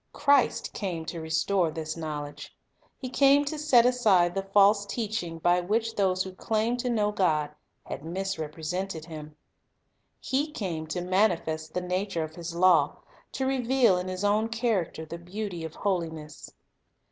Christ came to restore this knowledge. He came to set aside the false teaching by which those who claimed to know God had misrepresented Him. He came to manifest the nature of His law, to reveal in His own character the beauty of holiness.